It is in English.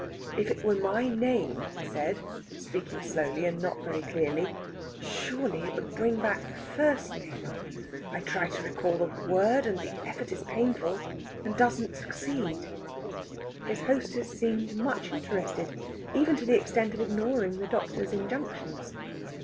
"If it were my name," he said, speaking slowly and not very clearly, "surely it would bring back the first name. I try to recall the word, and the effort is painful, and doesn't succeed." His hostess seemed much interested, even to the extent of ignoring the doctor's injunctions.